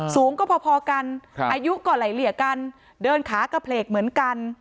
สูงก็พอกันอายุก็ไหลเหลี่ยกันเดินขากระเพลกเหมือนกัน